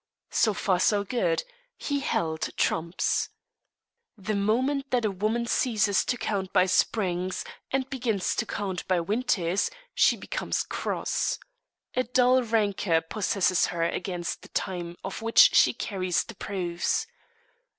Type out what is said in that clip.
So far so good. He held trumps. The moment that a woman ceases to count by springs, and begins to count by winters, she becomes cross. A dull rancour possesses her against the time of which she carries the proofs.